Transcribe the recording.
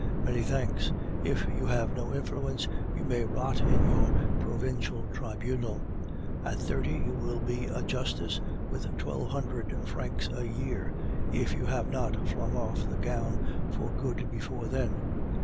Many thanks! If you have no influence, you may rot in your provincial tribunal. At thirty you will be a Justice with twelve hundred francs a year (if you have not flung off the gown for good before then).